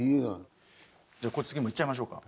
じゃあこれ次もいっちゃいましょうか。